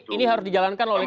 ini harus dijalankan loh